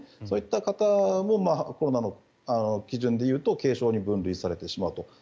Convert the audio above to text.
そういった方もコロナの基準で言うと軽症に分類されてしまうと。